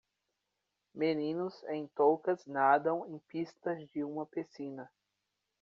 Meninos em toucas nadam em pistas de uma piscina.